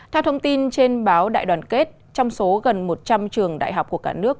theo thông tin trên báo đại đoàn kết trong số gần một trăm linh trường đại học của cả nước